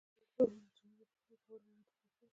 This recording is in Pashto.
ازادي راډیو د د جګړې راپورونه د تحول لړۍ تعقیب کړې.